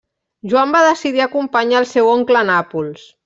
Joan va decidir acompanyar el seu oncle a Nàpols.